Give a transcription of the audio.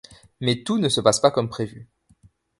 Mais tout ne se passe pas comme prévu..